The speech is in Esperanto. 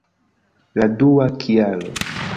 La dua kialo!